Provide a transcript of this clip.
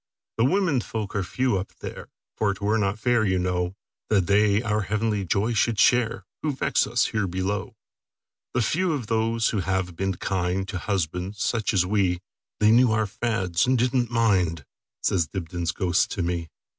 "The women folk are few up there; For 't were not fair, you know, That they our heavenly joy should shareWho vex us here below. The few are those who have been kindTo husbands such as we; They knew our fads, and did n't mind,"Says Dibdin's ghost to me.